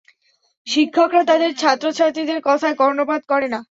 শিক্ষকরা তাদের ছাত্রছাত্রীদের কথায় কর্ণপাত করে না।